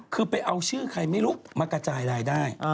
คือไปเอาชื่อใครไม่รู้มากระจายรายได้